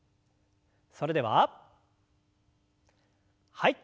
それでははい。